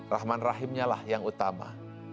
rahman rahimnya lah yang utama